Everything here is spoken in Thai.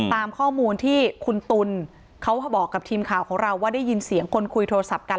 ตามข้อมูลที่คุณตุลเขาบอกกับทีมข่าวของเราว่าได้ยินเสียงคนคุยโทรศัพท์กัน